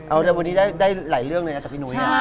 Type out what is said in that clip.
เอ้าแล้ววันนี้ได้หลายเรื่องเลยนะจากพี่นุ้ย